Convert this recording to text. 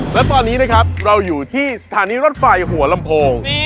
และตอนนี้นะครับเราอยู่ที่สถานีรถไฟหัวลำโพง